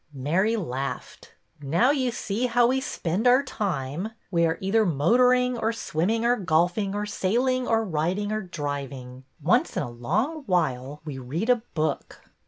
Mary laughed. Now you see how we spend our time. We are either motoring or swimming or golfing or sailing or riding or driving. Once in a long while we read a book."